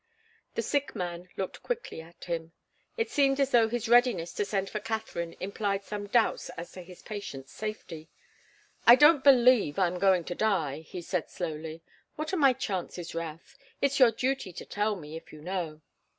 The sick man looked quickly at him. It seemed as though his readiness to send for Katharine implied some doubts as to his patient's safety. "I don't believe I'm going to die," he said, slowly. "What are my chances, Routh? It's your duty to tell me, if you know."